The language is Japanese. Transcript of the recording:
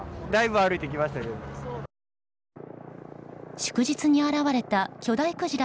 祝日に現れた巨大クジラ